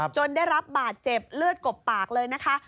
จนได้รับบาดเจ็บเลือดกบปากเลยนะคะ